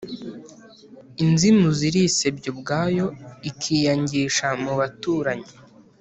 Inzimuzi irisebya ubwayo, ikiyangisha mu baturanyi.